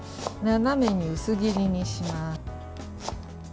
斜めに薄切りにします。